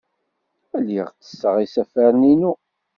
Lliɣ ttesseɣ isafaren-inu.